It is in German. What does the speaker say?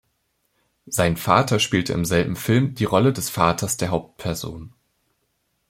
Sein Vater spielte im selben Film die Rolle des Vaters der Hauptperson.